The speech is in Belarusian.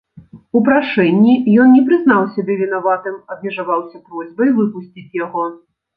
У прашэнні ён не прызнаў сябе вінаватым, абмежаваўся просьбай выпусціць яго.